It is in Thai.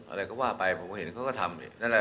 อะไรก็ว่าไปเป็นเห็นเขาก็ทำ